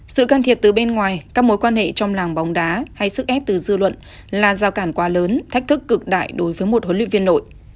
sự can thiệp từ bên ngoài các mối quan hệ trong làng bóng đá hay sức ép từ dư luận là giao cản quá lớn thách thức cực đại đối với một huấn luyện viên nội